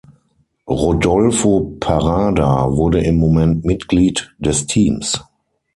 Rodolfo Parada wurde im Moment Mitglied des Teams.